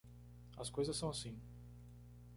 As coisas são assim.